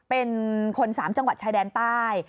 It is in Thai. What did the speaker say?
เป็นคน๓จังหวัดชายแดนใต้